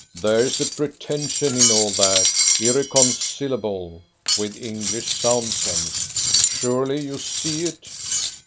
"There's a pretension in all that, irreconcilable with English sound sense. Surely you see it?"